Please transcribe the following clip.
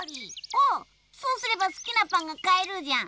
あっそうすればすきなパンがかえるじゃん。